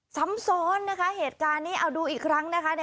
ซ้ำซ้อนนะคะเหตุการณ์นี้เอาดูอีกครั้งนะคะ